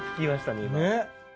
ねっ。